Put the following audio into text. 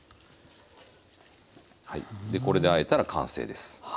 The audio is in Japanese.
でこれであえたら完成です。